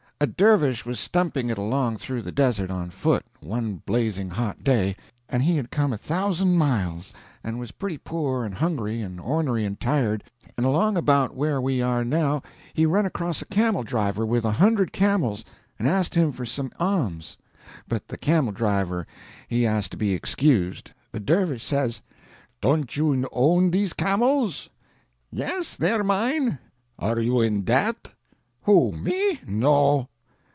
A dervish was stumping it along through the Desert, on foot, one blazing hot day, and he had come a thousand miles and was pretty poor, and hungry, and ornery and tired, and along about where we are now he run across a camel driver with a hundred camels, and asked him for some a'ms. But the cameldriver he asked to be excused. The dervish said: "Don't you own these camels?" "Yes, they're mine." "Are you in debt?" "Who—me? No."